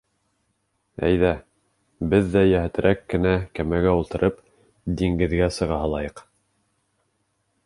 Әйҙә, беҙ ҙә, йәһәт кенә кәмәгә ултырып, диңгеҙгә сыға һалайыҡ.